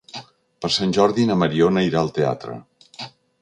Per Sant Jordi na Mariona irà al teatre.